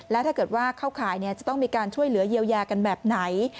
และถ้าเกิดว่าเข้าข่ายจะต้องมีการช่วยเหลือเยียวยากันแบบไหน